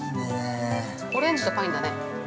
◆オレンジとパインだね。